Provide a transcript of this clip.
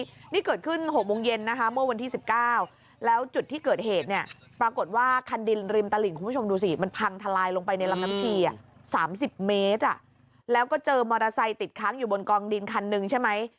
นี่เกิดขึ้น๖โมงเย็นนะคะเมื่อวันที่๑๙แล้วจุดที่เกิดเหตุเนี่ยปรากฏว่าคันดินริมตลิ่งคุณผู้ชมดูสิมันพังทลายลงไปในลำน้ำชี๓๐เมตรแล้วก็เจอมอเตอร์ไซค์ติดค้างอยู่บนกองดินคันหนึ่งใช่ไหม